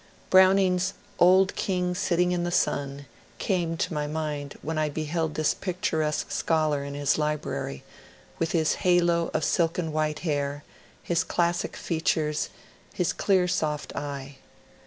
Browning's " old king sitting in the sun " came to my mind when I beheld this picturesque scholar in his library, with his halo of silken white hair, his classic features, his clear soft eye.